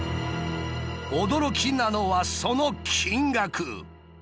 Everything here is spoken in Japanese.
驚きなのはその金額。